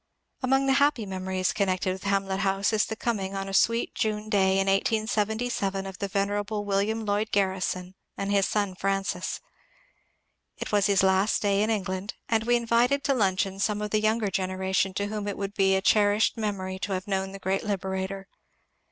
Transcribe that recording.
Among the happy memories connected with Hamlet House is the coming on a sweet June day in 1877 of the venerable William Lloyd Garrison and his son Francis. It was his last day in England, and we invited to luncheon some of the younger generation to whom it would be a cherished memory to have known the great liberator.